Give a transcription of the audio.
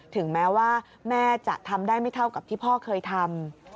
ถึงแม้ว่าแม่จะทำได้ไม่เท่ากับที่พ่อเคยทำ